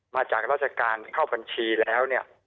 มาจากราชการเข้าบัญชีแล้วเนี่ย